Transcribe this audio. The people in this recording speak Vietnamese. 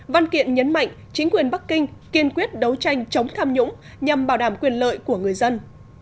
văn kiện nhấn mạnh chính quyền bắc kinh kiên quyết đấu tranh chống tham nhũng nhằm bảo đảm quyền lợi của người dân